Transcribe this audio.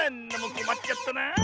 こまっちゃったなあ。